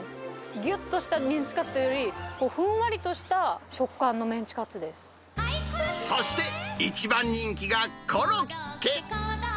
ぎゅっとしたメンチカツというより、ふんわりとした食感のメンチそして、一番人気がコロッケ。